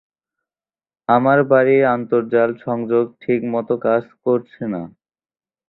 আমার বাড়ির আন্তর্জাল সংযোগ ঠিক মতো কাজ করছে না।